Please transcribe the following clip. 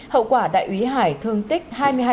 hậu quả đại úy hải thương tích hai mươi hai